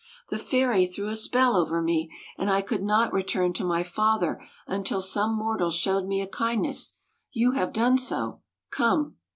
The fairy threw a spell over me, and I could not re turn to my father until some mortal showed me a kindness. You have done so. Come."